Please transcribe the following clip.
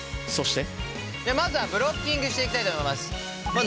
そしてまずはブロッキングしていきたいと思います。